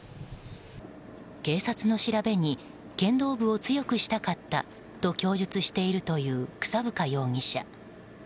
警察の調べに剣道部を強くしたかったと供述しているという草深容疑者。